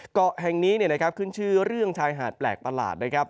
เกาะแห่งนี้ขึ้นชื่อเรื่องชายหาดแปลกประหลาดนะครับ